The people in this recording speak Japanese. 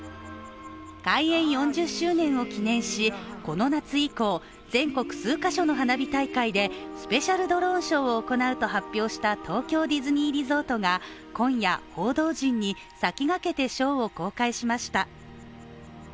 開園４０周年を記念し、この夏以降全国数か所の花火大会でスペシャルドローンショーを行うと発表した東京ディズニーリゾートが今夜、報道陣に先駆けてショーを公開しました。